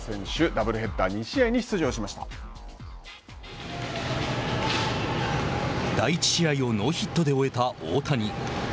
ダブルヘッダー第１試合をノーヒットで終えた大谷。